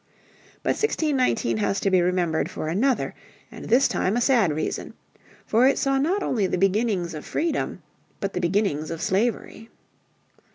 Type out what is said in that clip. But 1619 has to be remembered for another, and this time a sad reason: for it saw not only the beginnings of freedom, but the beginnings of slavery.